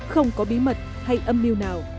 không có bí mật hay âm mưu nào